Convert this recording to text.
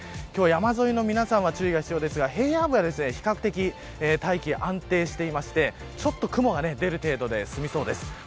山沿いの皆さんは注意が必要ですが、平野部は比較的大気、安定していましてちょっと雲が出る程度で済みそうです。